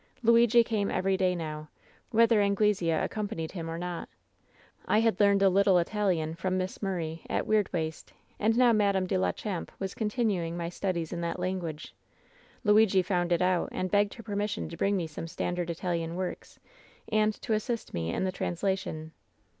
"Luigi came every day now, whether Anglesea ac companied him or not. I had learned a little Italian from Miss Murray, at Weirdwaste, and now Madame de la Champe was continuing my studies in that lan guage. "Luigi found it out, and begged her permission to bring me some standard Italian works and to assist me in the translation.